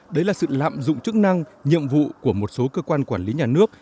đấy là sự lạm dụng chức năng nhiệm vụ của một số cơ quan quản lý nhà nước